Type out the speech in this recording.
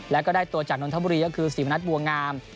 แล้วก็ได้ตัวจากนนทบุรีก็คือศรีมณัฐบัวงาม